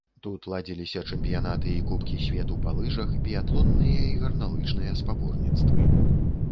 Тут ладзіліся чэмпіянаты і кубкі свету па лыжах, біятлонныя і гарналыжныя спаборніцтвы.